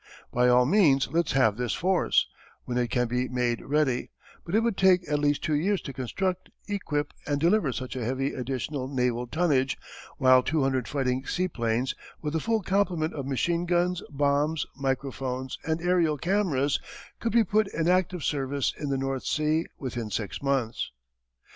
By all means let us have this force when it can be made ready but it would take at least two years to construct, equip, and deliver such a heavy additional naval tonnage, while 200 fighting seaplanes, with a full complement of machine guns, bombs, microphones, and aërial cameras, could be put in active service in the North Sea within six months.